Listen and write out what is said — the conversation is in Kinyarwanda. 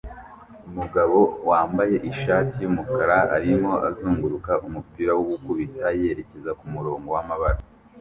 Umugabo wambaye ishati yumukara arimo azunguruka umupira wo gukubita yerekeza kumurongo wamabara